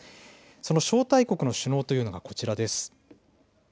その招待国の首脳というのはこちらです。